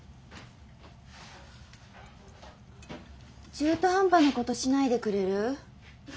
中途半端なことしないでくれる？